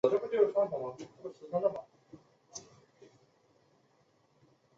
萨勒河畔萨尔是德国巴伐利亚州的一个市镇。